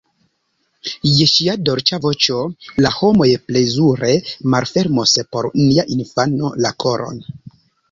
Je ŝia dolĉa voĉo la homoj plezure malfermos por nia infano la koron.